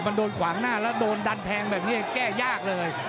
มันโดนขวางหน้าแล้วโดนดันแทงแบบนี้แก้ยากเลย